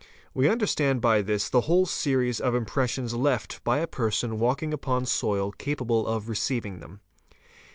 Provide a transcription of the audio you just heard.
'We understand by this the whole series of impressions left by a person walking upon soil capable of receiving them.